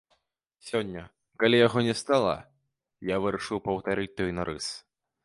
Сёння, калі яго не стала, я вырашаў паўтарыць той нарыс.